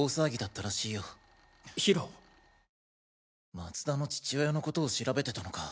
松田の父親のことを調べてたのか。